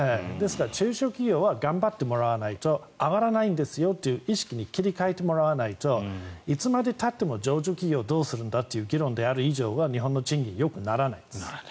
中小企業は頑張ってもらわないと上がらないんですよという意識に切り替えてもらわないといつまでたっても上場企業をどうするんだって議論のうちは日本の賃金はよくならないです。